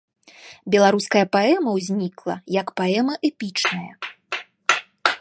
Беларуская паэма ўзнікла як паэма эпічная.